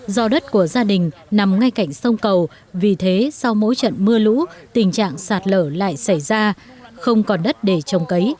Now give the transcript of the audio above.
do đất của gia đình nằm ngay cạnh sông cầu vì thế sau mỗi trận mưa lũ tình trạng sạt lở lại xảy ra không còn đất để trồng cấy